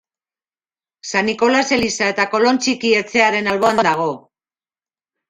San Nikolas eliza eta Kolon Txiki etxearen alboan dago.